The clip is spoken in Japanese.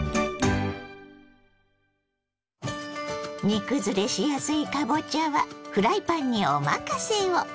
煮崩れしやすいかぼちゃはフライパンにお任せを！